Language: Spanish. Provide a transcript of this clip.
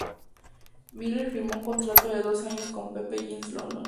Miller firmó un contrato de dos años con Pepe Jeans London.